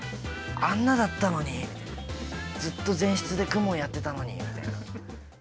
あんなだったのにー、ずっと前室で公文やってたのにって。